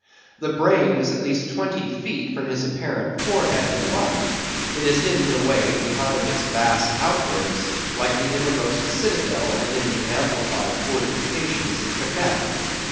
The brain is at least twenty feet from his apparent forehead in life; it is hidden away behind its vast outworks, like the innermost citadel within the amplified fortifications of Quebec.